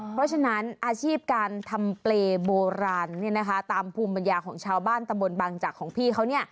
เพราะฉะนั้นอาชีพการทำเปรย์โบราณตามภูมิปัญญาของชาวบ้านตำบลบางจักรของพี่เขา